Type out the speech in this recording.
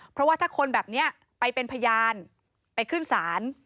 เพราะว่าถ้าคนแบบนี้ไปเป็นพยานไปขึ้นศาล